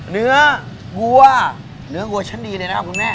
เนื้อวัวเนื้อวัวชั้นดีเลยนะครับคุณแม่